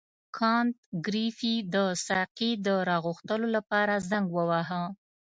کانت ګریفي د ساقي د راغوښتلو لپاره زنګ وواهه.